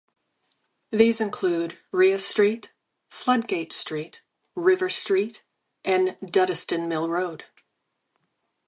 These include Rea Street, Floodgate Street, River Street and Duddeston Mill Road.